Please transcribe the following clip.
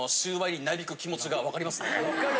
分かる。